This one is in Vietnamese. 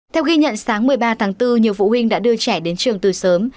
theo ghi nhận sáng một mươi ba tháng bốn nhiều phụ huynh đã đưa trẻ đến trường từ sớm